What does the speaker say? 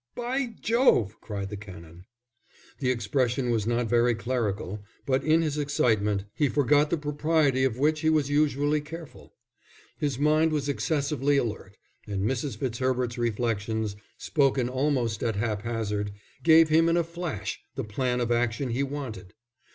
"By Jove!" cried the Canon. The expression was not very clerical, but in his excitement he forgot the propriety of which he was usually careful. His mind was excessively alert, and Mrs. Fitzherbert's reflections, spoken almost at haphazard, gave him in a flash the plan of action he wanted.